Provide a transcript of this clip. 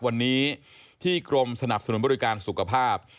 วันนี้ที่กรมสนับสนุนบริการสุขภาพ